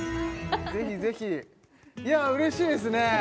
ぜひぜひいやあ嬉しいですね